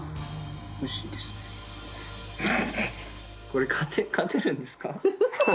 これ勝てるんですか？